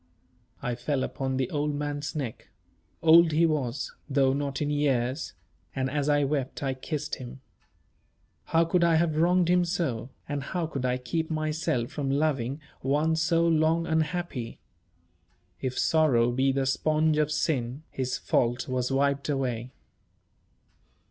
I fell upon the old man's neck old he was, though not in years and as I wept I kissed him. How could I have wronged him so, and how could I keep myself from loving one so long unhappy? If sorrow be the sponge of sin, his fault was wiped away.